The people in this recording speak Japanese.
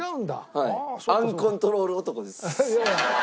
アンコントロール男です。